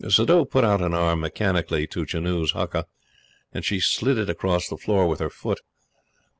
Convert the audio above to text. Suddhoo put out an arm mechanically to Janoo's huqa, and she slid it across the floor with her foot.